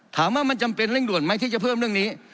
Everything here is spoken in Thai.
ถามว่ามันจำเป็นเร่งด่วนไหมที่จะเพิ่มเรื่องนี้